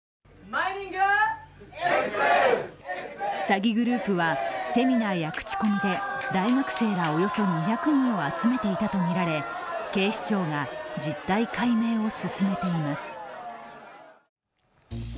詐欺グループはセミナーや口コミで大学生らおよそ２００人を集めていたとみられ警視庁が実態解明を進めています。